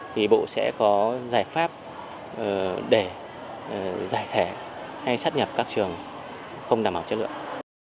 thì bộ sẽ có giải pháp để giải thể hay sát nhập các trường không đảm bảo chất lượng